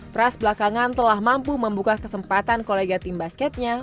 pras belakangan telah mampu membuka kesempatan kolega tim basketnya